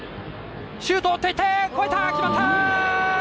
シュートを打っていって越えた！